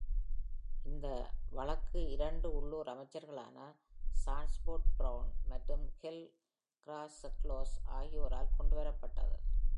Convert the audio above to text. அந்த வழக்கு இரண்டு உள்ளூர் அமைச்சர்களான சான்ஃபோர்ட்ப்ரவுன் மற்று கெல் க்ராசெக்ளோஸ், ஆகியோரால் கொண்டுவரப்பட்டது.